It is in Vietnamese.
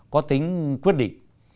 có tính quyết định